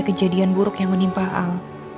kejadian buruk yang menimpa al